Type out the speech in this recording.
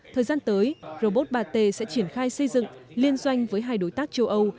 thời gian tới robot ba t sẽ triển khai xây dựng liên doanh với hai đối tác châu âu